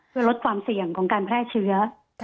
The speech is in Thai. เพื่อลดความเสี่ยงของการแพร่เชื้อ